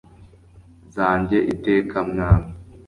zanjye iteka mwami